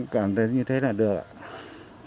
cảm thấy như thế là được